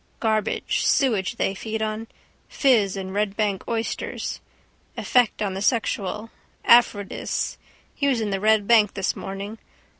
Garbage, sewage they feed on. Fizz and Red bank oysters. Effect on the sexual. Aphrodis. He was in the Red Bank this morning.